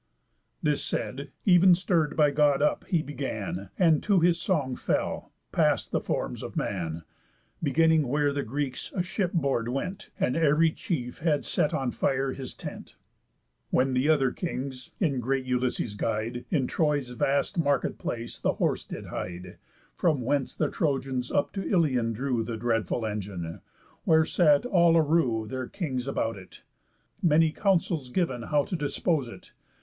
This said, ev'n stirr'd by God up, he began, And to his song fell, past the forms of man, Beginning where the Greeks aship board went, And ev'ry chief had set on fire his tent, When th' other kings, in great Ulysses' guide, In Troy's vast market place the horse did hide, From whence the Trojans up to Ilion drew The dreadful engine. Where sat all arew Their kings about it; many counsels giv'n How to dispose it.